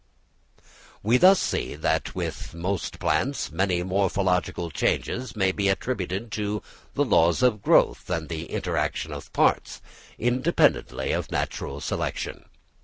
We thus see that with plants many morphological changes may be attributed to the laws of growth and the inter action of parts, independently of natural selection.